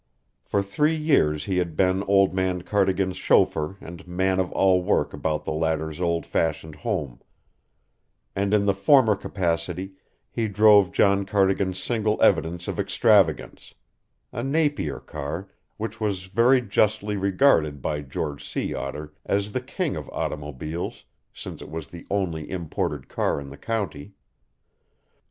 For three years he had been old man Cardigan's chauffeur and man of all work about the latter's old fashioned home, and in the former capacity he drove John Cardigan's single evidence of extravagance a Napier car, which was very justly regarded by George Sea Otter as the king of automobiles, since it was the only imported car in the county.